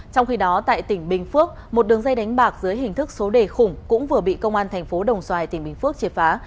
trong khi đó tại tỉnh bình phước một đường dây đánh bạc dưới hình thức số đề khủng cũng vừa bị công an thành phố đồng xoài tỉnh bình phước triệt phá